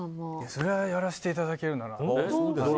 それはやらせていただけるなら。